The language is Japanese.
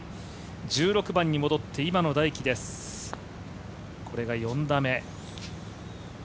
１６番に戻って今野大喜です、これが４打目。